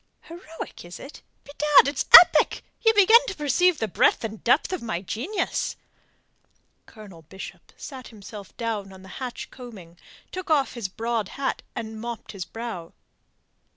"Heroic, is it? Bedad, it's epic! Ye begin to perceive the breadth and depth of my genius." Colonel Bishop sat himself down on the hatch coaming, took off his broad hat, and mopped his brow.